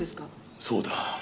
そうだ。